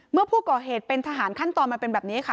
เมื่อผู้ก่อเหตุเป็นทหารขั้นตอนมันเป็นแบบนี้ค่ะ